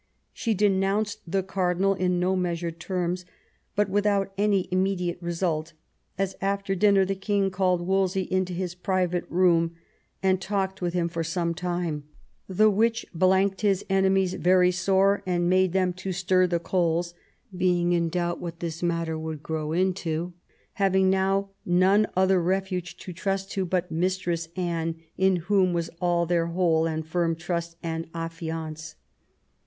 She denounced the cardinal in no measured terms, but without any immediate result^ as after dinner the king called Wolsey into his private room and talked 182 THOMAS WOLSEY chap. with him for some time; "the which blanked his enemies very sore, and made them to stir the coals, being in doubt what this matter would grow into, having now none other refuge to trust to but Mistress Anne, in whom was all their whole and firm trust and affiance."